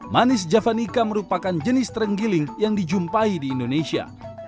manis javanica merupakan jenis terenggiling yang dijumpai di indonesia